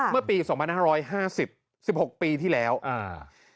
เมื่อปีสองพันห้าร้อยห้าสิบสิบหกปีที่แล้วอ่า